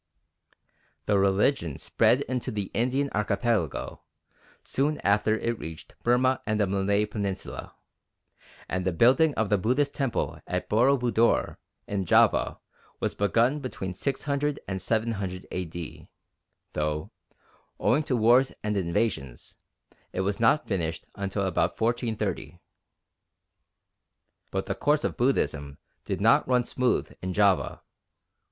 The religion spread into the Indian Archipelago soon after it reached Burma and the Malay Peninsula, and the building of the Buddhist Temple at Boro Budor in Java was begun between 600 and 700 A.D., though, owing to wars and invasions, it was not finished until about 1430. But the course of Buddhism did not run smooth in Java.